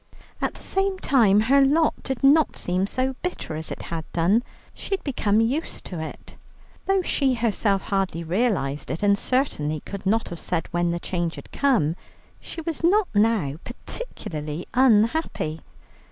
At the same time her lot did not seem so bitter as it had done; she had become used to it. Though she herself hardly realized it, and certainly could not have said when the change had come, she was not now particularly unhappy.